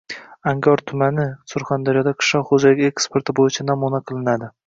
Angor tumani Surxondaryoda qishloq xo‘jaligi eksporti bo‘yicha namuna qilinadi